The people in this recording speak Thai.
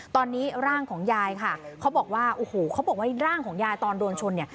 ตอนนี้ร่างของยายค่ะเขาบอกว่าโอ้โหเขาบอกว่าร่างของยายตอนโดนชนเนี่ย